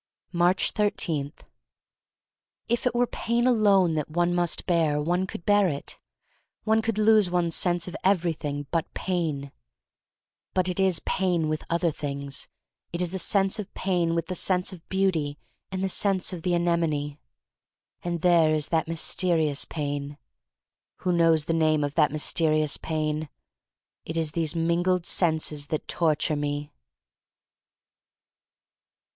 Aatcb 13. IF IT were pain alone that one must bear, one could bear it. One could lose one's sense of everything but pain. But it is pain with other things. It is the sense of pain with the sense of beauty and the sense of the anemone. And there is that mysterious pain. Who knows the name of ^that myste rious pain? It is these mingled senses that tor ture me.